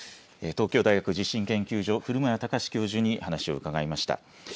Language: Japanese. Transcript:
東京大学地震研究所、古村孝志教授にお話を伺いました。